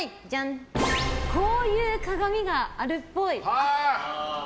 こういう鏡があるっぽい。